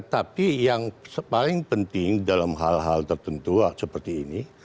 tapi yang paling penting dalam hal hal tertentu seperti ini